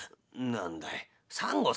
何だい？